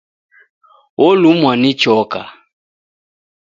Olumwa ni choka